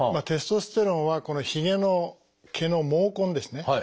テストステロンはこのひげの毛の毛根ですね